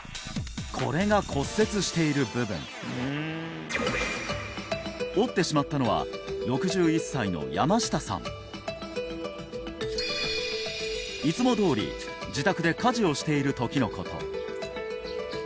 これが骨折している部分折ってしまったのは６１歳の山下さんいつもどおり自宅で家事をしている時のこと